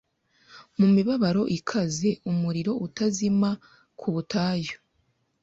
Mu mibabaro ikaze umuriro utazima Ku butayu